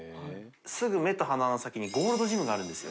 垢目と鼻の先にゴールドジムがあるんですよ。